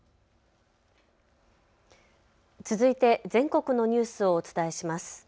続いて全国のニュースをお伝えします。